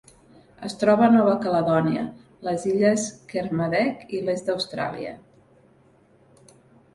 Es troba a Nova Caledònia, les Illes Kermadec i l'est d'Austràlia.